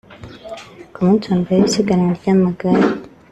Ku munsi wa mbere w’isiganwa ry’amagare